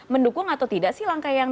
mendukung atau tidak sih langkah yang